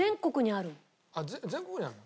あっ全国にあるの？